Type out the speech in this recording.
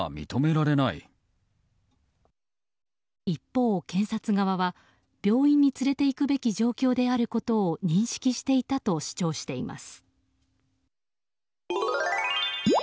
一方、検察側は病院に連れていくべき状況であることを認識していたと主張しています。